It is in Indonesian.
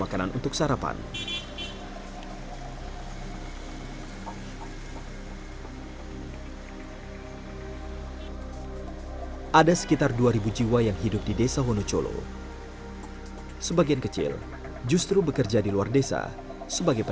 asada terakhir di ekstremisme